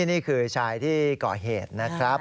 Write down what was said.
นี่คือชายที่ก่อเหตุนะครับ